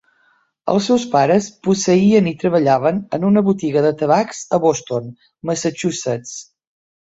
Els seus pares posseïen i treballaven en una botiga de tabacs a Boston, Massachusetts.